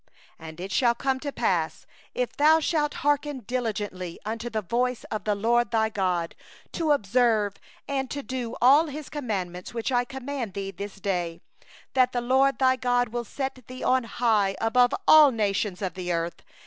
And it shall come to pass, if thou shalt hearken diligently unto the voice of the LORD thy God, to observe to do all His commandments which I command thee this day, that the LORD thy God will set thee on high above all the nations of the earth.